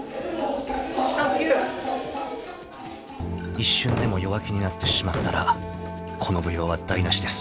［一瞬でも弱気になってしまったらこの舞踊は台無しです］